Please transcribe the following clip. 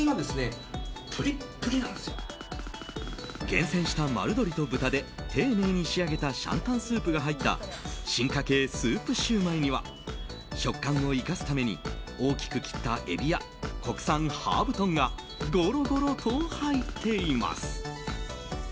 厳選した丸鶏と豚で丁寧に仕上げた上湯スープが入った進化系スープシューマイには食感を生かすために大きく切ったエビや国産ハーブ豚がゴロゴロと入っています。